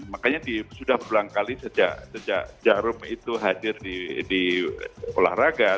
makanya sudah berulang kali sejak jarum itu hadir di olahraga